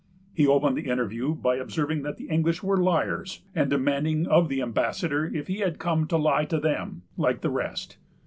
He opened the interview by observing that the English were liars, and demanding of the ambassador if he had come to lie to them, like the rest.